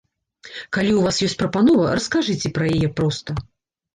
Калі ў вас ёсць прапанова, раскажыце пра яе проста!